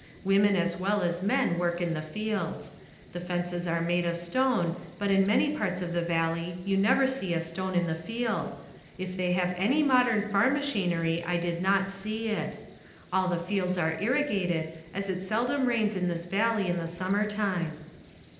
Women as well as men work in the fields. The fences are made of stone but in many parts of the valley you never see a stone in the field. If they have any modern farm machinery I did not see it. All the fields are irrigated, as it seldom rains in this valley in the summer time.